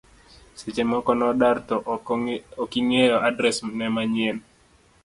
seche moko nodar to ok ing'eyo adres ne manyien,